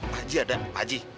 pak ji ada pak ji